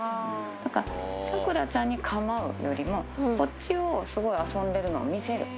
だから、サクラちゃんにかまうよりも、こっちをすごい遊んでるのを見せる。